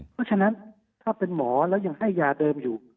เพราะฉะนั้นถ้าเป็นหมอแล้วยังให้ยาเดิมอยู่